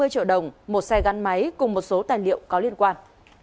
hai trăm năm mươi triệu đồng một xe gắn máy cùng một số tài liệu có liên quan